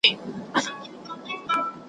خپل قسمت په هیڅ صورت نه ګڼي جبر `